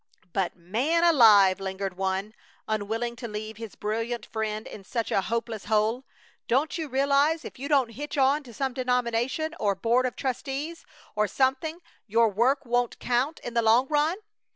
"But, man alive!" lingered one, unwilling to leave his brilliant friend in such a hopeless hole. "Don't you realize if you don't hitch on to some denomination, or board of trustees, or something, your work won't count in the long run?